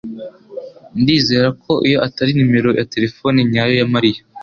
Ndizera ko iyo atari nimero ya terefone nyayo ya Mariya.